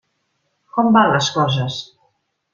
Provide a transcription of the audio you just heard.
Com van les coses?